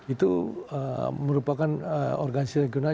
itu merupakan organisasi regional